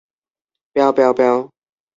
প্যাও, প্যাও, প্যাও!